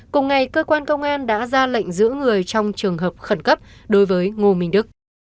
cùng ngày cơ quan công an đã ra lệnh giữ người trong trường hợp khẩn cấp đối với ngô minh đức